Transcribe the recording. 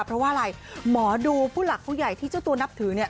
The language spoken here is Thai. เพราะว่าอะไรหมอดูผู้หลักผู้ใหญ่ที่เจ้าตัวนับถือเนี่ย